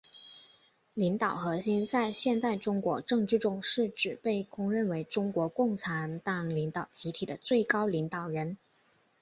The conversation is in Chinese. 领导核心在现代中国政治中是指被公认为中国共产党领导集体的最高领导人。